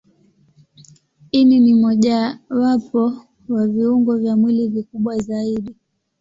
Ini ni mojawapo wa viungo vya mwili vikubwa zaidi.